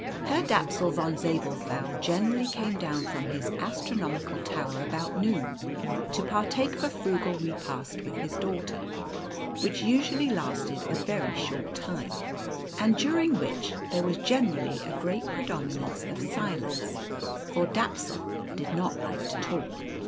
Herr Dapsul Von Zabelthau generally came down from his astronomical tower about noon, to partake of a frugal repast with his daughter, which usually lasted a very short time, and during which there was generally a great predominance of silence, for Dapsul did not like to talk.